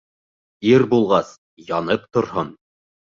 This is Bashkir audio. Ир булғас, янып торһон!